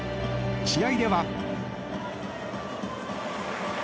試合では。